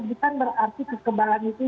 bukan berarti kekembangan itu